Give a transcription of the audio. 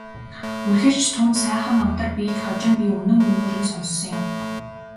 Үнэхээр ч түүнд сайхан намтар бийг хожим би үнэн мөнөөр нь сонссон юм.